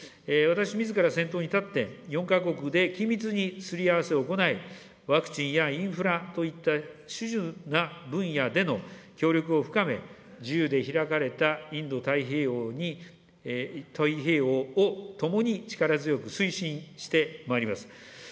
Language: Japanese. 私みずから先頭に立って、４か国で緊密にすり合わせを行い、ワクチンやインフラといった種々な分野での協力を深め、自由で開かれたインド太平洋に、太平洋をともに力強く推進してまいります。